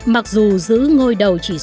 mặc dù giữ điểm của các đơn vị tư vấn thiết kế